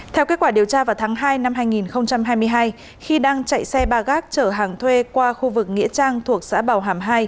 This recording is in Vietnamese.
theo kết quả điều tra vào tháng hai năm hai nghìn hai mươi hai khi đang chạy xe ba gác chở hàng thuê qua khu vực nghĩa trang thuộc xã bảo hàm hai